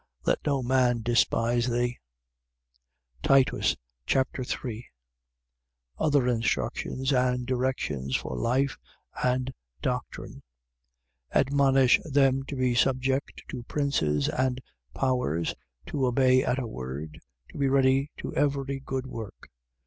Let no man despise thee. Titus Chapter 3 Other instructions and directions for life and doctrine. 3:1. Admonish them to be subject to princes and powers, to obey at a word, to be ready to every good work.